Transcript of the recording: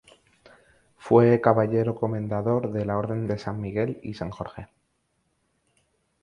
Fue caballero comendador de la Orden de San Miguel y San Jorge.